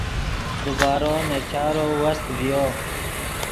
دیبارو نے چارو وست ڤیو